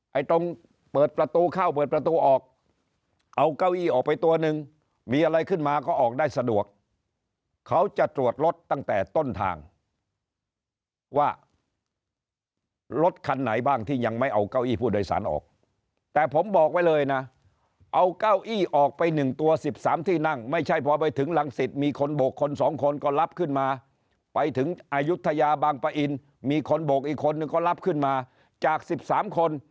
ตรงเปิดประตูเข้าเปิดประตูออกเอาเก้าอี้ออกไปตัวหนึ่งมีอะไรขึ้นมาก็ออกได้สะดวกเขาจะตรวจรถตั้งแต่ต้นทางว่ารถคันไหนบ้างที่ยังไม่เอาเก้าอี้ผู้โดยสารออกแต่ผมบอกไว้เลยนะเอาเก้าอี้ออกไป๑ตัว๑๓ที่นั่งไม่ใช่พอไปถึงรังสิตมีคนโบกคนสองคนก็รับขึ้นมาไปถึงอายุทยาบางปะอินมีคนโบกอีกคนนึงก็รับขึ้นมาจาก๑๓คน